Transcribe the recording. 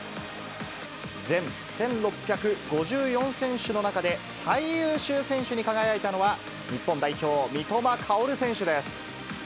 全１６５４選手の中で最優秀選手に輝いたのは、日本代表、三笘薫選手です。